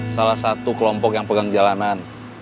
salah satu kelompok yang pegang jalanan